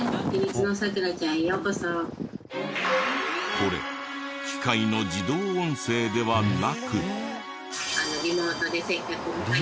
これ機械の自動音声ではなく。